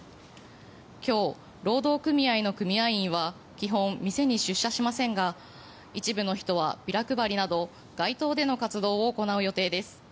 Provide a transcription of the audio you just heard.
今日、労働組合の組合員は基本、店に出社しませんが一部の人はビラ配りなど街頭での活動を行う予定です。